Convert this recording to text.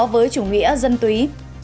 với chủ nghĩa dân túy